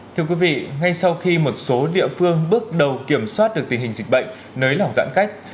thưa quý vị ngay sau khi một số địa phương bước đầu kiểm soát được tình hình dịch bệnh nới lỏng giãn cách